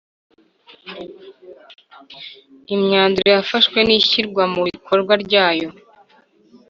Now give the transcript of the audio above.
Imyanzuro yafashwe n’ishyirwa mubikorwa ryayo ;